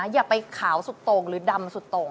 อย่าไปขาวสุดโต่งหรือดำสุดโต่ง